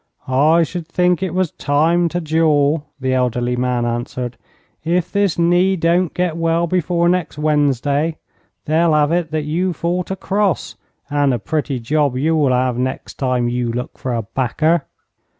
'I should think it was time to jaw,' the elderly man answered. 'If this knee don't get well before next Wednesday, they'll have it that you fought a cross, and a pretty job you'll have next time you look for a backer.'